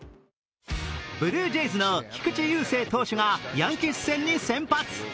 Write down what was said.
ブルージェイズの菊池雄星投手がヤンキース戦に先発。